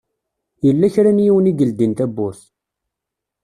Yella kra n yiwen i yeldin tawwurt.